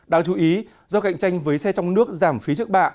đáng chú ý do cạnh tranh với xe trong nước giảm phí trước bạ